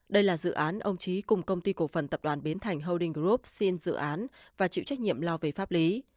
đây là dự án ông trí cùng công ty cổ phần tập đoàn bến thành holding group xin dự án và chịu trách nhiệm lo về pháp lý